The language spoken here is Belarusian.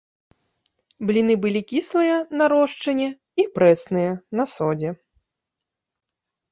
Бліны былі кіслыя, на рошчыне, і прэсныя, на содзе.